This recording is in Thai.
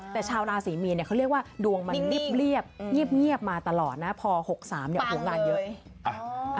แต่ชาวราศรีมีนเขาเรียกว่าดวงมันเงียบเงียบมาตลอดนะพอ๖๓เนี่ยโอ้โหงานเยอะ